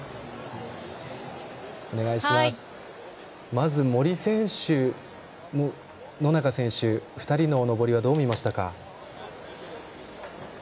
まず、森選手と野中選手２人の登りはどう見ましたか？